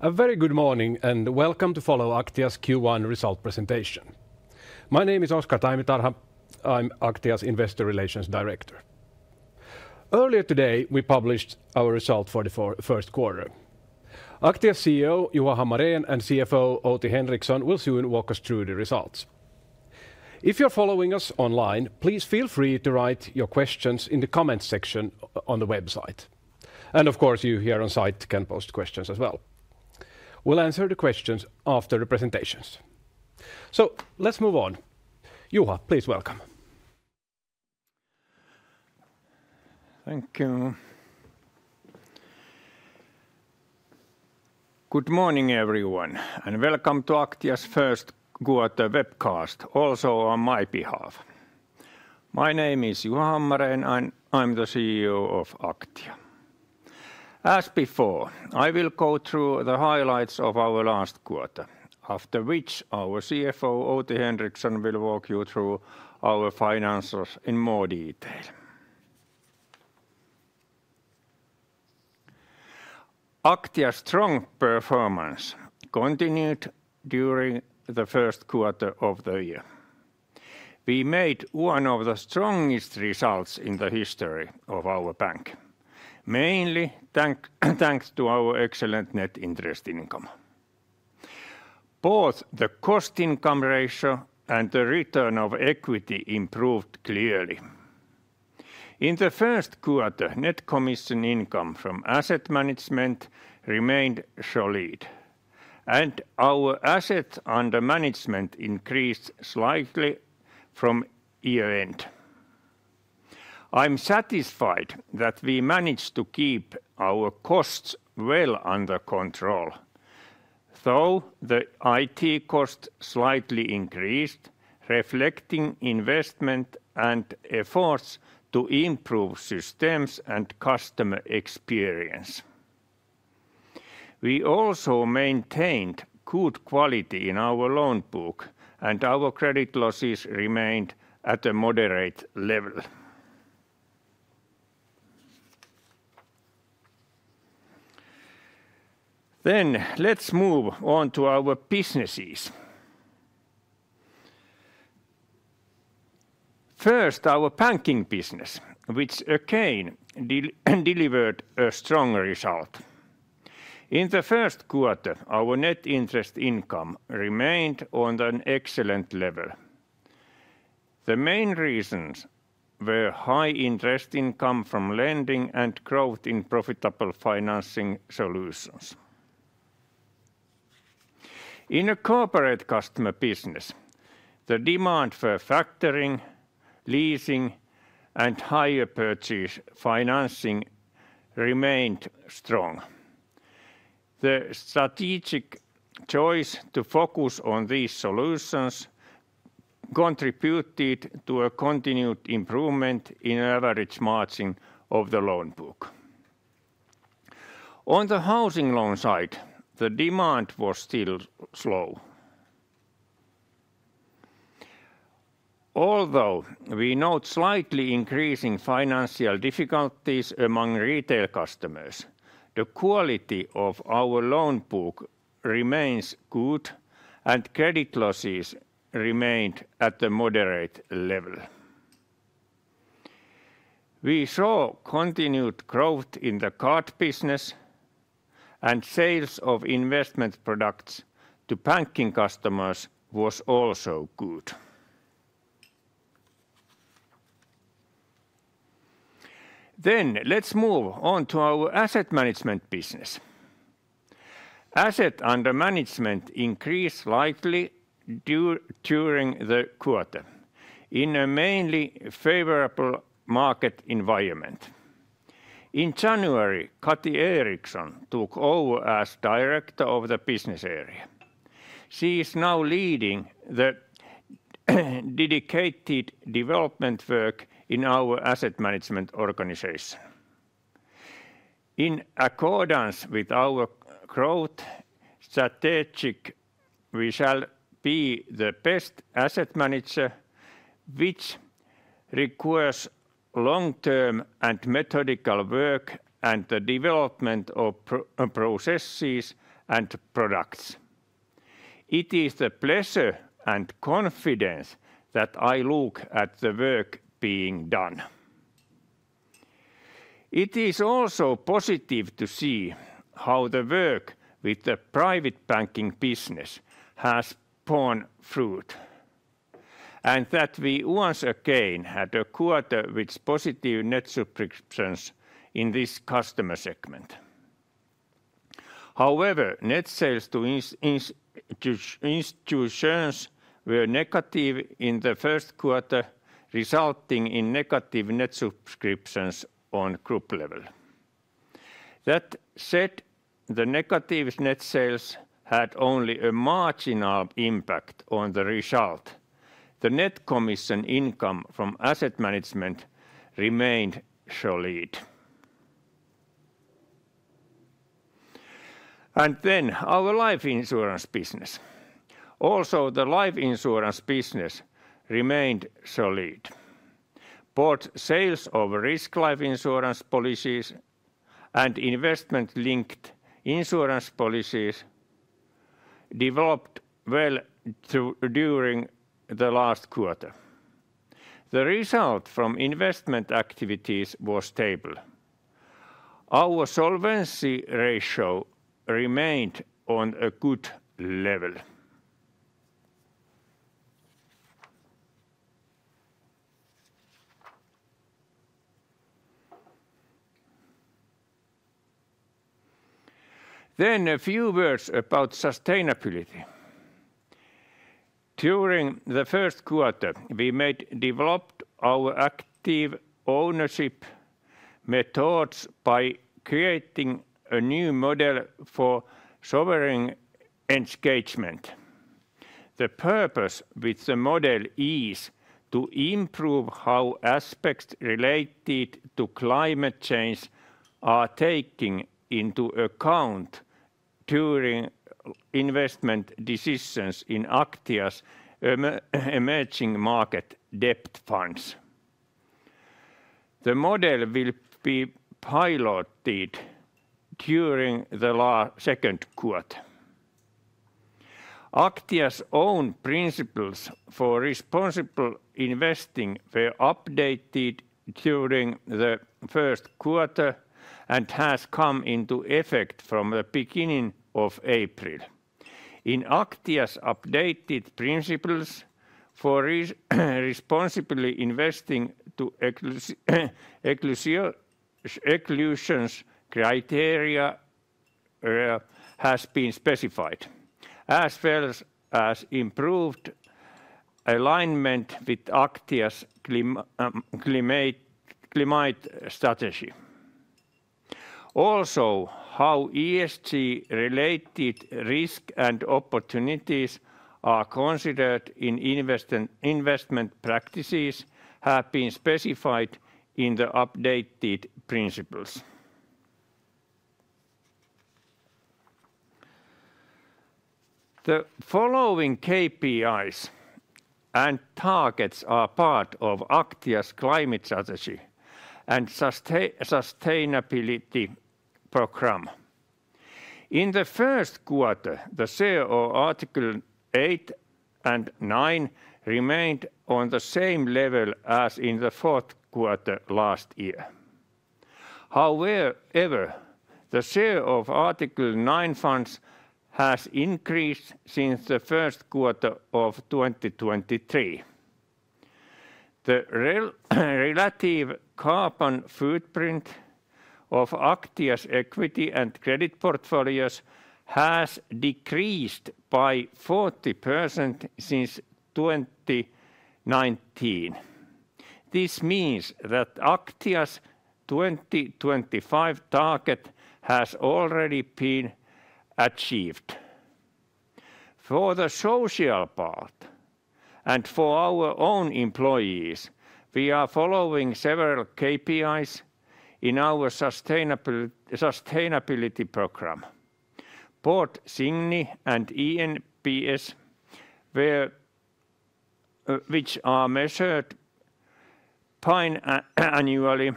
A very good morning and welcome to follow Aktia's Q1 result presentation. My name is Oscar Taimitarha, I'm Aktia's Investor Relations Director. Earlier today we published our result for the first quarter. Aktia's CEO Juha Hammarén and CFO Outi Henriksson will soon walk us through the results. If you're following us online, please feel free to write your questions in the comments section on the website. And of course you here on site can post questions as well. We'll answer the questions after the presentations. So let's move on. Juha, please welcome. Thank you. Good morning everyone and welcome to Aktia's first quarter webcast, also on my behalf. My name is Juha Hammarén and I'm the CEO of Aktia. As before, I will go through the highlights of our last quarter, after which our CFO Outi Henriksson will walk you through our finances in more detail. Aktia's strong performance continued during the first quarter of the year. We made one of the strongest results in the history of our bank, mainly thanks to our excellent net interest income. Both the cost-income ratio and the return on equity improved clearly. In the first quarter, net commission income from Asset Management remained solid, and our assets under management increased slightly from year end. I'm satisfied that we managed to keep our costs well under control, though the IT cost slightly increased, reflecting investment and efforts to improve systems and customer experience. We also maintained good quality in our loan book and our credit losses remained at a moderate level. Let's move on to our businesses. First, our Banking business, which again delivered a strong result. In the first quarter, our net interest income remained on an excellent level. The main reasons were high interest income from lending and growth in profitable financing solutions. In a corporate customer business, the demand for factoring, leasing, and hire purchase financing remained strong. The strategic choice to focus on these solutions contributed to a continued improvement in average margin of the loan book. On the housing loan side, the demand was still slow. Although we note slightly increasing financial difficulties among retail customers, the quality of our loan book remains good and credit losses remained at a moderate level. We saw continued growth in the card business, and sales of investment products to Banking customers was also good. Let's move on to our Asset Management business. Assets under management increased slightly during the quarter in a mainly favorable market environment. In January, Kati Eriksson took over as director of the business area. She is now leading the dedicated development work in our Asset Management organization. In accordance with our growth strategy, we shall be the best asset manager, which requires long-term and methodical work and the development of processes and products. It is with pleasure and confidence that I look at the work being done. It is also positive to see how the work with the Private Banking business has borne fruit, and that we once again had a quarter with positive net subscriptions in this customer segment. However, net sales to institutions were negative in the first quarter, resulting in negative net subscriptions on Group level. That said, the negative net sales had only a marginal impact on the result. The net commission income from Asset Management remained solid. And then our Life Insurance business. Also, the Life Insurance business remained solid. Both sales of Risk Life Insurance policies and investment-linked insurance policies developed well during the last quarter. The result from investment activities was stable. Our solvency ratio remained on a good level. Then a few words about sustainability. During the first quarter, we developed our active ownership methods by creating a new model for sovereign engagement. The purpose with the model is to improve how aspects related to climate change are taken into account during investment decisions in Aktia's emerging market debt funds. The model will be piloted during the second quarter. Aktia's own principles for responsible investing were updated during the first quarter and have come into effect from the beginning of April. In Aktia's updated principles for responsible investing, the inclusion criteria have been specified, as well as improved alignment with Aktia's climate strategy. Also, how ESG-related risk and opportunities are considered in investment practices have been specified in the updated principles. The following KPIs and targets are part of Aktia's climate strategy and sustainability program. In the first quarter, the share of Article 8 and 9 remained on the same level as in the fourth quarter last year. However, the share of Article 9 funds has increased since the first quarter of 2023. The relative carbon footprint of Aktia's equity and credit portfolios has decreased by 40% since 2019. This means that Aktia's 2025 target has already been achieved. For the social part and for our own employees, we are following several KPIs in our sustain ability program. Port Signi and eNPS, which are measured annually,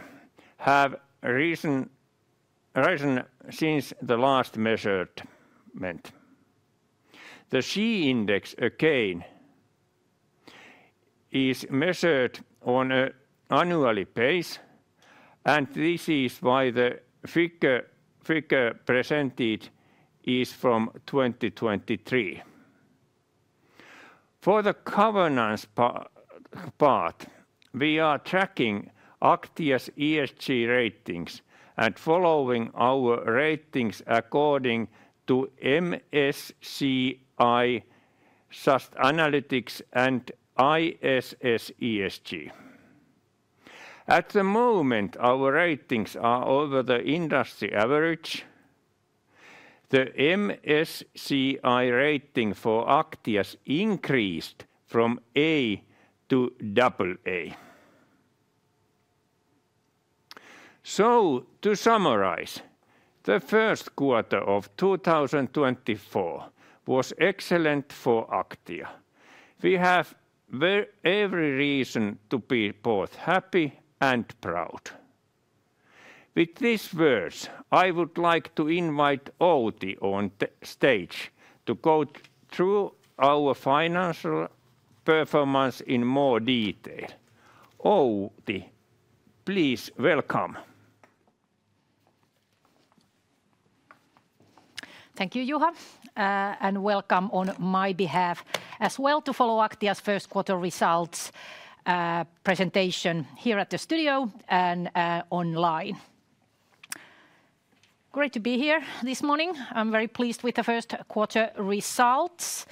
have risen since the last measurement. The SHE Index again is measured on an annual basis, and this is why the figure presented is from 2023. For the governance part, we are tracking Aktia's ESG ratings and following our ratings according to MSCI ESG Analytics and ISS ESG. At the moment, our ratings are over the industry average. The MSCI rating for Aktia increased from A to AA. So, to summarize, the first quarter of 2024 was excellent for Aktia. We have every reason to be both happy and proud. With these words, I would like to invite Outi on the stage to go through our financial performance in more detail. Outi, please welcome. Thank you, Juha, and welcome on my behalf as well to follow Aktia's first quarter results presentation here at the studio and online. Great to be here this morning. I'm very pleased with the first quarter results.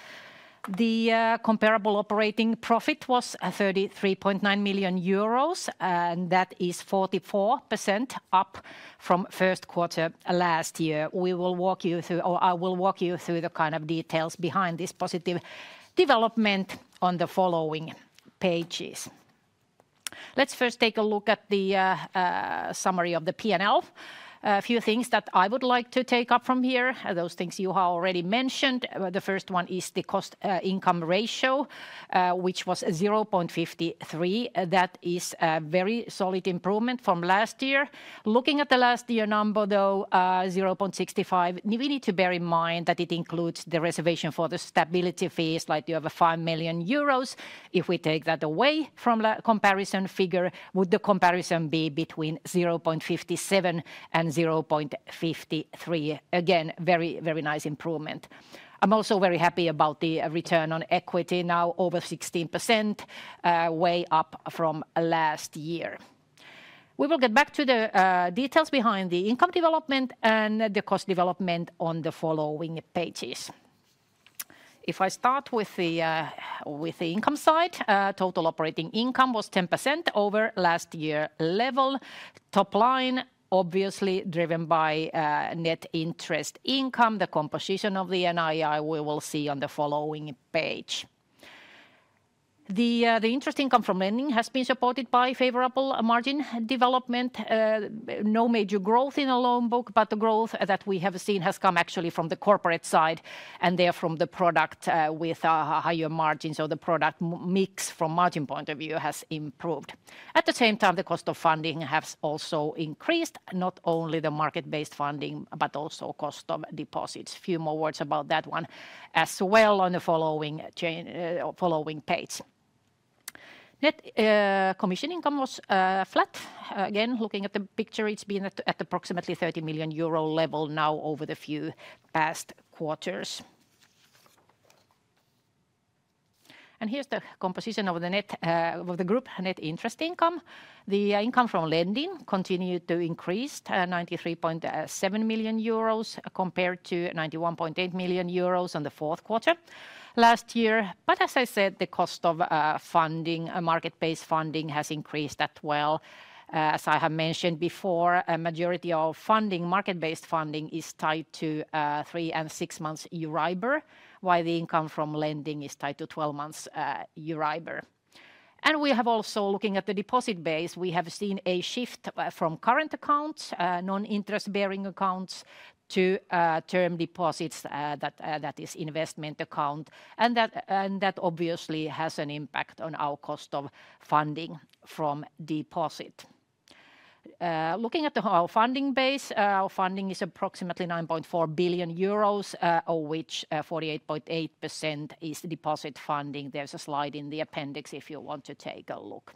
The comparable operating profit was 33.9 million euros, and that is 44% up from first quarter last year. I will walk you through the kind of details behind this positive development on the following pages. Let's first take a look at the summary of the P&L. A few things that I would like to take up from here. Those things Juha already mentioned. The first one is the cost-income ratio, which was 0.53. That is a very solid improvement from last year. Looking at the last year number, though, 0.65, we need to bear in mind that it includes the reservation for the stability fees. Like you have a 5 million euros. If we take that away from the comparison figure, would the comparison be between 0.57 and 0.53? Again, very, very nice improvement. I'm also very happy about the return on equity now over 16%, way up from last year. We will get back to the details behind the income development and the cost development on the following pages. If I start with the income side, total operating income was 10% over last year level. Top line, obviously driven by net interest income. The composition of the NII we will see on the following page. The interest income from lending has been supported by favorable margin development. No major growth in the loan book, but the growth that we have seen has come actually from the corporate side and therefore from the product with a higher margin. So the product mix from margin point of view has improved. At the same time, the cost of funding has also increased, not only the market-based funding, but also cost of deposits. A few more words about that one as well on the following page. Net commission income was flat. Again, looking at the picture, it's been at approximately 30 million euro level now over the few past quarters. And here's the composition of the Group net interest income. The income from lending continued to increase 93.7 million euros compared to 91.8 million euros on the fourth quarter last year. But as I said, the cost of funding, market-based funding has increased as well. As I have mentioned before, a majority of funding, market-based funding is tied to three and six months Euribor, while the income from lending is tied to 12 months Euribor. We have also looking at the deposit base, we have seen a shift from current accounts, non-interest bearing accounts to term deposits that is investment account. That obviously has an impact on our cost of funding from deposit. Looking at our funding base, our funding is approximately 9.4 billion euros, of which 48.8% is deposit funding. There's a slide in the appendix if you want to take a look.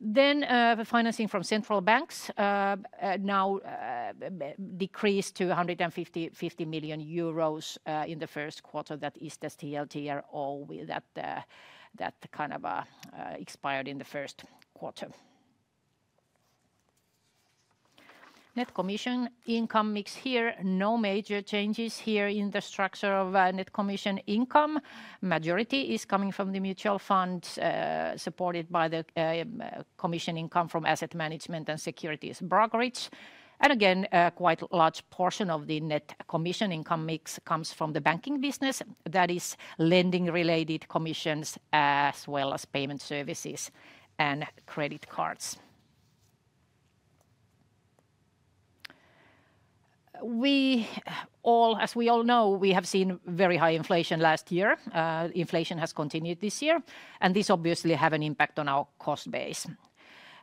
The financing from central banks now decreased to 150 million euros in the first quarter. That is the TLTRO that kind of expired in the first quarter. Net commission income mix here, no major changes here in the structure of net commission income. Majority is coming from the mutual funds supported by the commission income from Asset Management and securities brokerage. Again, quite a large portion of the net commission income mix comes from the Banking business. That is lending-related commissions as well as payment services and credit cards. As we all know, we have seen very high inflation last year. Inflation has continued this year, and this obviously has an impact on our cost base.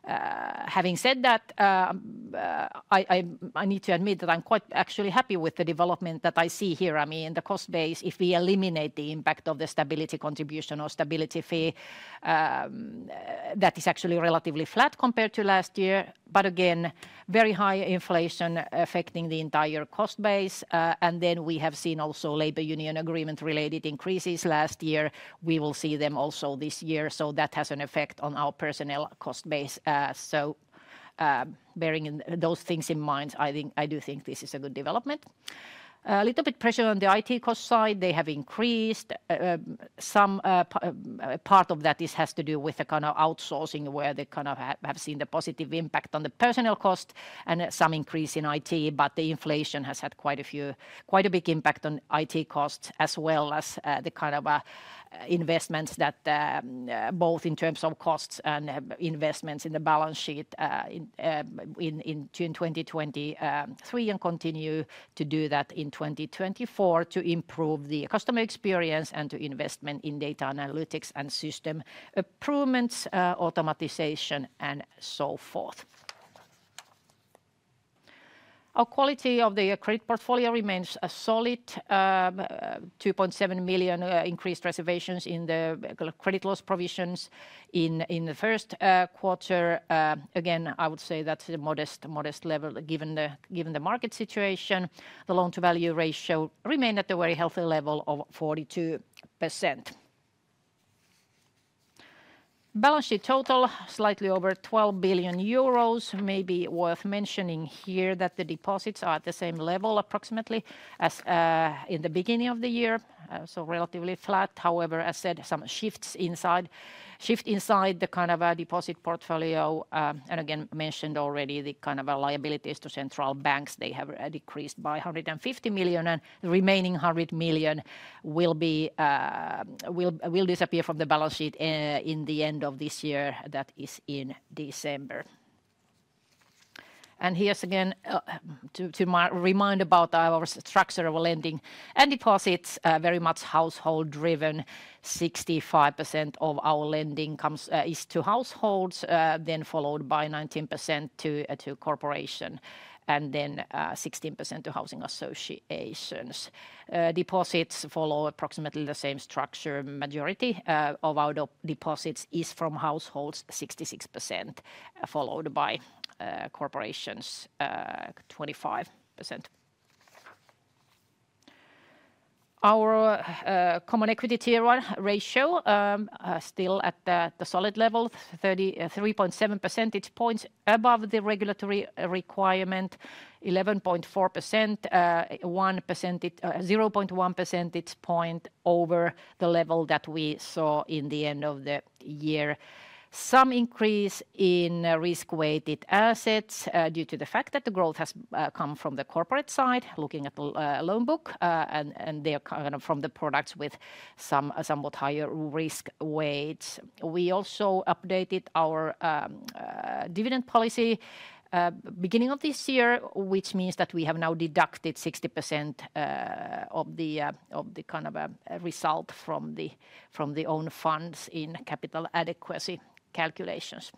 Having said that, I need to admit that I'm quite actually happy with the development that I see here. I mean, the cost base, if we eliminate the impact of the stability contribution or stability fee, that is actually relatively flat compared to last year. But again, very high inflation affecting the entire cost base. And then we have seen also labor union agreement-related increases last year. We will see them also this year. So that has an effect on our personnel cost base. So bearing those things in mind, I do think this is a good development. A little bit pressure on the IT cost side. They have increased. Some part of that has to do with the kind of outsourcing where they kind of have seen the positive impact on the personnel cost and some increase in IT. But the inflation has had quite a few, quite a big impact on IT costs as well as the kind of investments that both in terms of costs and investments in the balance sheet in 2023 and continue to do that in 2024 to improve the customer experience and to investment in data analytics and system improvements, automation, and so forth. Our quality of the credit portfolio remains solid. 2.7 million increased reservations in the credit loss provisions in the first quarter. Again, I would say that's a modest level given the market situation. The loan-to-value ratio remained at a very healthy level of 42%. Balance sheet total, slightly over 12 billion euros. Maybe worth mentioning here that the deposits are at the same level approximately as in the beginning of the year. So relatively flat. However, as said, some shifts inside the kind of deposit portfolio. And again, mentioned already, the kind of liabilities to central banks, they have decreased by 150 million. And the remaining 100 million will disappear from the balance sheet in the end of this year. That is in December. And here's again to remind about our structure of lending and deposits. Very much household-driven. 65% of our lending is to households, then followed by 19% to corporations and then 16% to housing associations. Deposits follow approximately the same structure. Majority of our deposits is from households, 66% followed by corporations, 25%. Our common equity CET1 ratio is still at the solid level, 33.7 percentage points above the regulatory requirement, 11.4%, 0.1 percentage point over the level that we saw in the end of the year. Some increase in risk-weighted assets due to the fact that the growth has come from the corporate side, looking at the loan book and they're kind of from the products with some somewhat higher risk weights. We also updated our dividend policy beginning of this year, which means that we have now deducted 60% of the kind of result from the own funds in capital adequacy calculations.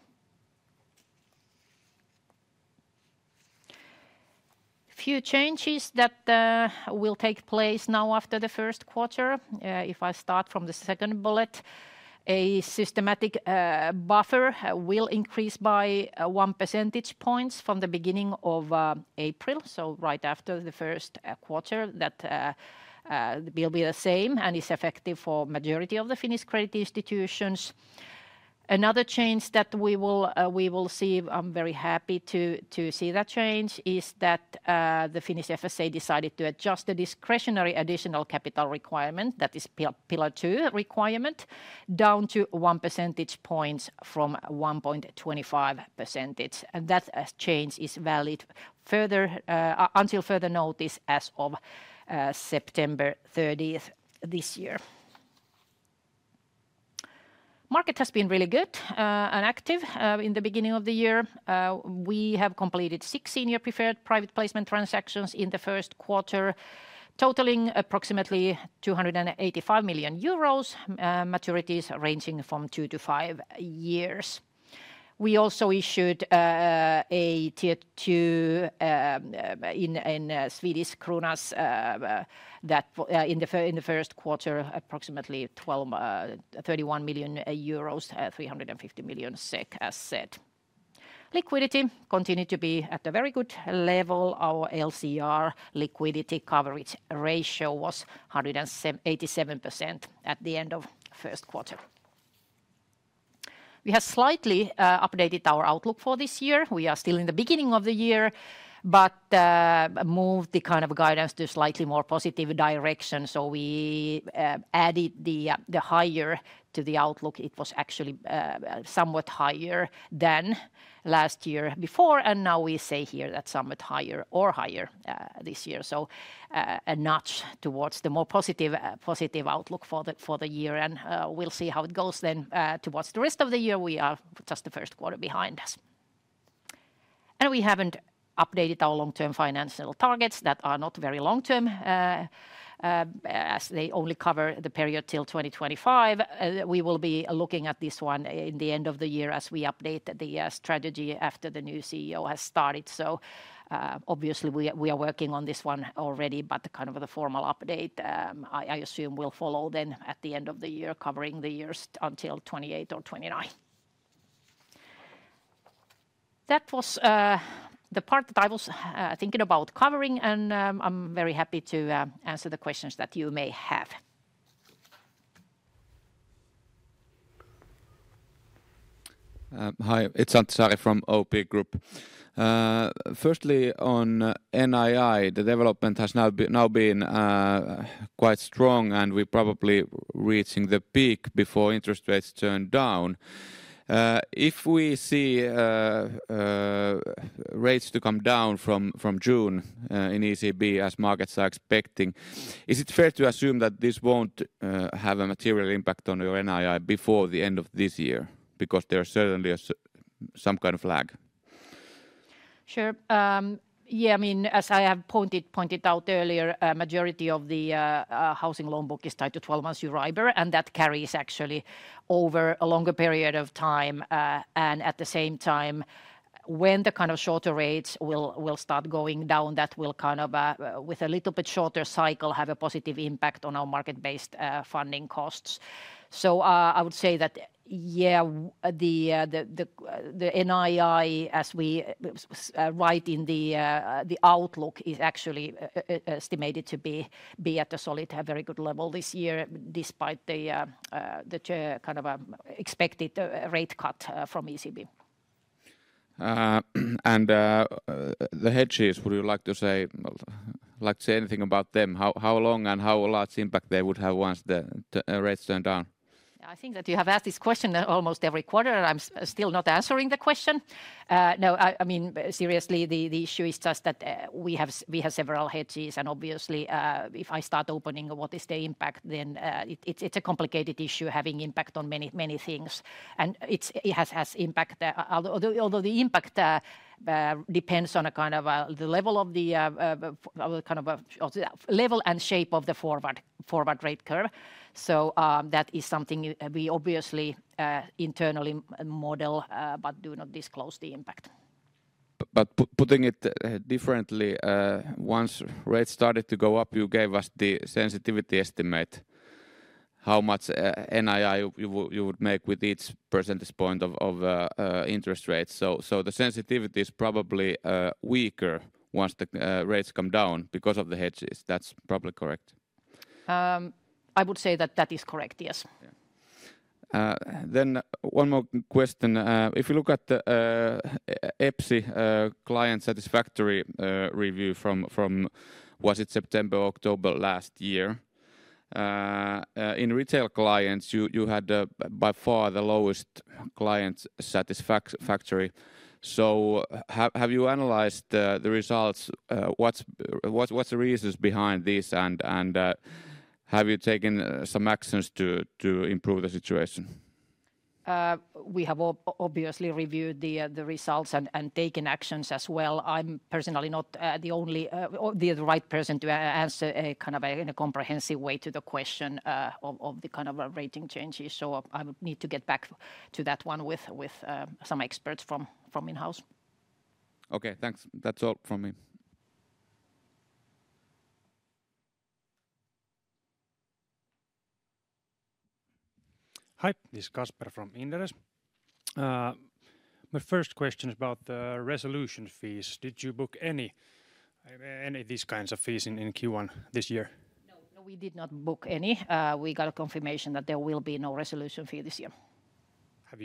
A few changes that will take place now after the first quarter. If I start from the second bullet, a systematic buffer will increase by 1 percentage point from the beginning of April. So right after the first quarter, that will be the same and is effective for the majority of the Finnish credit institutions. Another change that we will see, I'm very happy to see that change, is that the Finnish FSA decided to adjust the discretionary additional capital requirement, that is Pillar 2 requirement, down to one percentage point from 1.25%. And that change is valid until further notice as of September 30th this year. Market has been really good and active in the beginning of the year. We have completed six senior preferred private placement transactions in the first quarter, totaling approximately 285 million euros, maturities ranging from two to five years. We also issued a Tier 2 in Swedish kronor that in the first quarter, approximately 31 million euros, 350 million SEK asset. Liquidity continued to be at a very good level. Our LCR liquidity coverage ratio was 187% at the end of the first quarter. We have slightly updated our outlook for this year. We are still in the beginning of the year, but moved the kind of guidance to a slightly more positive direction. So we added the higher to the outlook. It was actually somewhat higher than last year before. And now we say here that somewhat higher or higher this year. So a notch towards the more positive outlook for the year. And we'll see how it goes then towards the rest of the year. We are just the first quarter behind us. And we haven't updated our long-term financial targets. That are not very long-term. As they only cover the period till 2025. We will be looking at this one in the end of the year as we update the strategy after the new CEO has started. So obviously we are working on this one already, but the kind of the formal update, I assume, will follow then at the end of the year, covering the years until 2028 or 2029. That was the part that I was thinking about covering. And I'm very happy to answer the questions that you may have. Hi. It's Antti from OP Group. Firstly, on NII, the development has now been quite strong and we're probably reaching the peak before interest rates turn down. If we see rates to come down from June in ECB as markets are expecting, is it fair to assume that this won't have a material impact on your NII before the end of this year because there's certainly some kind of lag? Sure. Yeah. I mean, as I have pointed out earlier, a majority of the housing loan book is tied to 12 months Euribor. That carries actually over a longer period of time. At the same time, when the kind of shorter rates will start going down, that will kind of, with a little bit shorter cycle, have a positive impact on our market-based funding costs. So I would say that, yeah, the NII, as we write in the outlook, is actually estimated to be at a solid, very good level this year, despite the kind of expected rate cut from ECB. The hedges, would you like to say anything about them? How long and how large impact they would have once the rates turn down? I think that you have asked this question almost every quarter. I'm still not answering the question. No, I mean, seriously, the issue is just that we have several hedges. Obviously, if I start opening, what is the impact? Then it's a complicated issue having impact on many things. And it has impact, although the impact depends on a kind of the level of the kind of level and shape of the forward rate curve. So that is something we obviously internally model, but do not disclose the impact. But putting it differently, once rates started to go up, you gave us the sensitivity estimate, how much NII you would make with each percentage point of interest rate. So the sensitivity is probably weaker once the rates come down because of the hedges. That's probably correct. I would say that that is correct. Yes. Then one more question. If you look at the EPSI client satisfaction review from, was it September, October last year? In retail clients, you had by far the lowest client satisfaction. So have you analyzed the results? What's the reasons behind these? And have you taken some actions to improve the situation? We have obviously reviewed the results and taken actions as well. I'm personally not the only, the right person to answer a kind of in a comprehensive way to the question of the kind of rating changes. So I would need to get back to that one with some experts from in-house. Okay. Thanks. That's all from me. Hi. This is Kasper from Inderes. My first question is about the resolution fees. Did you book any of these kinds of fees in Q1 this year? No, we did not book any. We got a confirmation that there will be no resolution fee this year. Do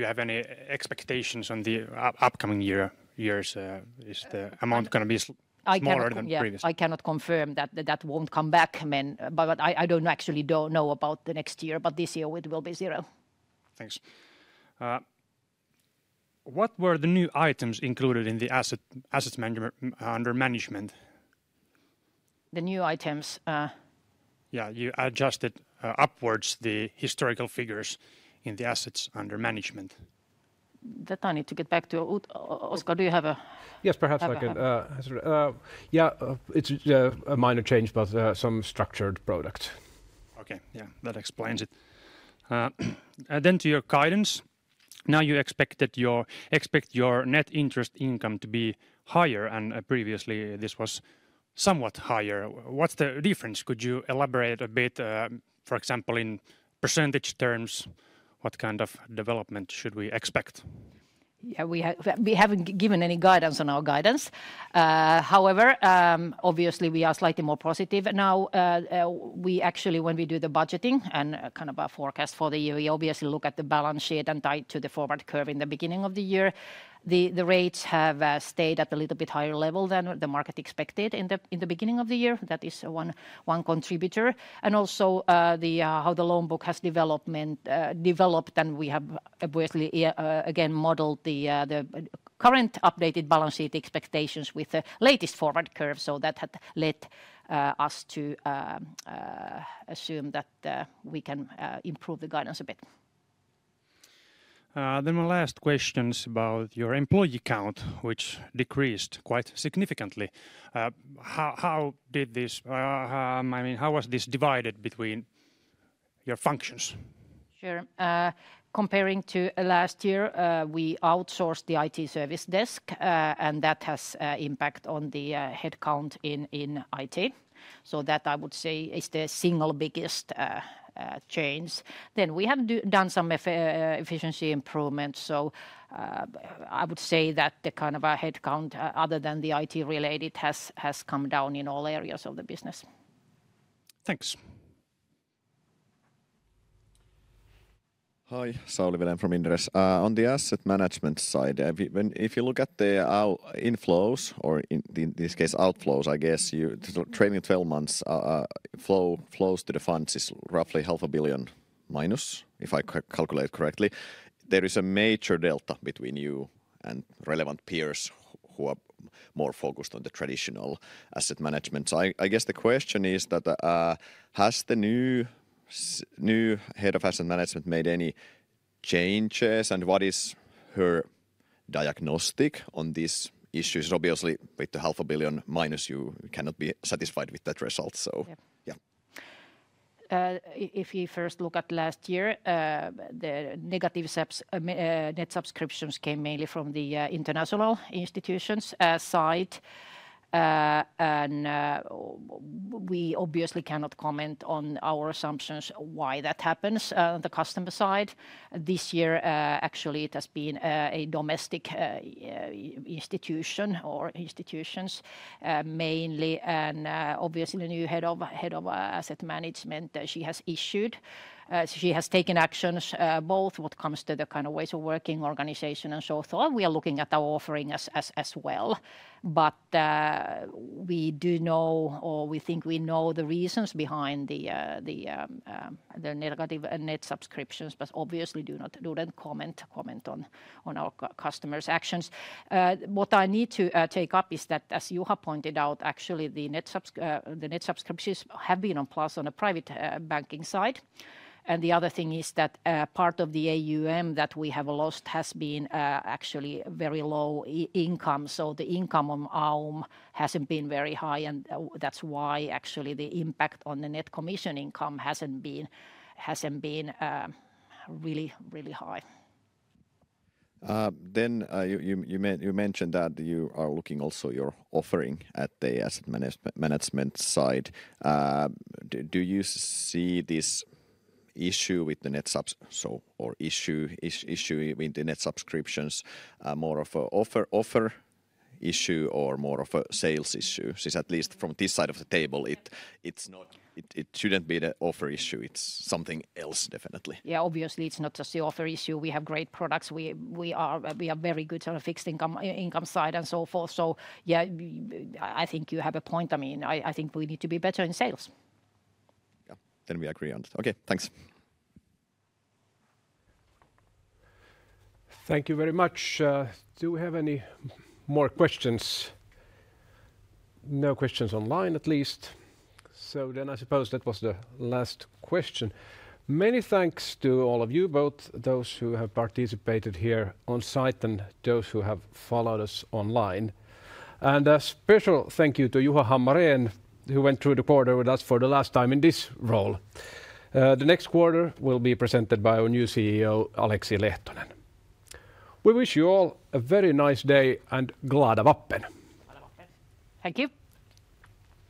you have any expectations on the upcoming years? Is the amount going to be smaller than previous? I cannot confirm that that won't come back. But I don't actually know about the next year. But this year it will be zero. Thanks. What were the new items included in the assets under management? The new items? Yeah. You adjusted upwards the historical figures in the assets under management. That I need to get back to. Juha, Juha, do you have a...? Yes, perhaps I can. Yeah. It's a minor change, but some structured products. Okay. Yeah. That explains it. Then to your guidance. Now you expect that your net interest income to be higher. And previously this was somewhat higher. What's the difference? Could you elaborate a bit, for example, in percentage terms? What kind of development should we expect? Yeah. We haven't given any guidance on our guidance. However, obviously we are slightly more positive now. We actually, when we do the budgeting and kind of a forecast for the year, we obviously look at the balance sheet and tie it to the forward curve in the beginning of the year. The rates have stayed at a little bit higher level than the market expected in the beginning of the year. That is one contributor. And also how the loan book has developed. And we have obviously, again, modeled the current updated balance sheet expectations with the latest forward curve. So that had led us to assume that we can improve the guidance a bit. Then my last questions about your employee count, which decreased quite significantly. How did this? I mean, how was this divided between your functions? Sure. Comparing to last year, we outsourced the IT service desk. And that has impact on the headcount in IT. So that I would say is the single biggest change. Then we have done some efficiency improvements. So I would say that the kind of headcount, other than the IT related, has come down in all areas of the business. Thanks. Hi. Sauli Vilén from Inderes. On the Asset Management side, if you look at the inflows or in this case outflows, I guess, trailing 12 months flows to the funds is roughly -500 million, if I calculate correctly. There is a major delta between you and relevant peers who are more focused on the traditional Asset Management. So I guess the question is that, has the new head of Asset Management made any changes? And what is her diagnosis on these issues? Obviously, with the -500 million, you cannot be satisfied with that result. So yeah. If you first look at last year, the negative net subscriptions came mainly from the international institutions side. And we obviously cannot comment on our assumptions why that happens on the customer side. This year, actually, it has been a domestic institution or institutions mainly. And obviously, the new head of Asset Management, she has issued. She has taken actions both what comes to the kind of ways of working, organization, and so forth. We are looking at our offering as well. But we do know, or we think we know the reasons behind the negative net subscriptions, but obviously do not comment on our customers' actions. What I need to take up is that, as Juha pointed out, actually the net subscriptions have been on plus on the Private Banking side. The other thing is that part of the AUM that we have lost has been actually very low income. So the income on AUM hasn't been very high. That's why actually the impact on the net commission income hasn't been really, really high. You mentioned that you are looking also at your offering at the Asset Management side. Do you see this issue with the net subscription or issue with the net subscriptions more of an offer issue or more of a sales issue? At least from this side of the table, it shouldn't be the offer issue. It's something else definitely. Yeah. Obviously, it's not just the offer issue. We have great products. We are very good on the fixed income side and so forth. So yeah, I think you have a point. I mean, I think we need to be better in sales. Yeah. Then we agree on that. Okay. Thanks. Thank you very much. Do we have any more questions? No questions online at least. So then I suppose that was the last question. Many thanks to all of you, both those who have participated here on site and those who have followed us online. And a special thank you to Juha Hammarén, who went through the quarter with us for the last time in this role. The next quarter will be presented by our new CEO, Aleksi Lehtonen. We wish you all a very nice day and Glada Vappen. Thank you.